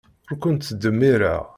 Ur ken-ttdemmireɣ.